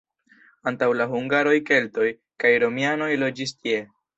Antaŭ la hungaroj keltoj kaj romianoj loĝis tie.